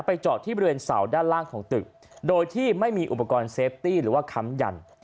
จอดที่บริเวณเสาด้านล่างของตึกโดยที่ไม่มีอุปกรณ์เซฟตี้หรือว่าค้ำยัน